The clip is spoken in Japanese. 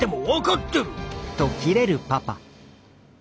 って。